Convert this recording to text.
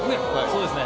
そうですね。